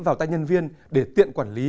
vào tay nhân viên để tiện quản lý